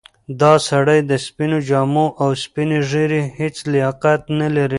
دا سړی د سپینو جامو او سپینې ږیرې هیڅ لیاقت نه لري.